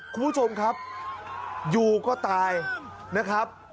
คุณผู้ชมครับอยู่ก็ตายนะครับ